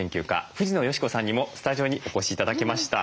藤野嘉子さんにもスタジオにお越し頂きました。